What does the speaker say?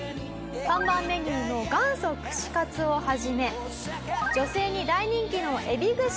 看板メニューの元祖串かつを始め女性に大人気のえび串。